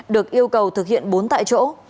được yêu cầu thực hiện bốn tại chỗ